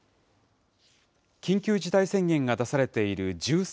緊急事態宣言が出されている１３